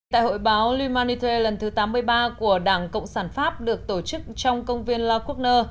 tại hội báo l humanité lần thứ tám mươi ba của đảng cộng sản pháp được tổ chức trong công viên la courneur